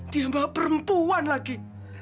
dia bawa perempuan lagi